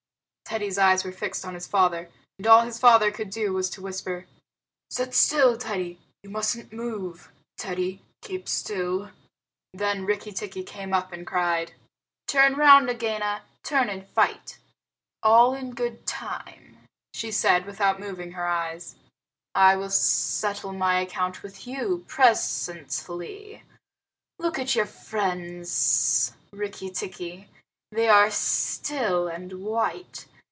Teddy's eyes were fixed on his father, and all his father could do was to whisper, "Sit still, Teddy. You mustn't move. Teddy, keep still." Then Rikki tikki came up and cried, "Turn round, Nagaina. Turn and fight!" "All in good time," said she, without moving her eyes. "I will settle my account with you presently. Look at your friends, Rikki tikki. They are still and white.